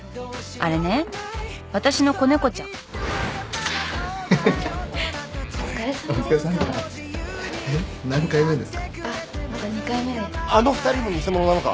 あの２人も偽者なのか！？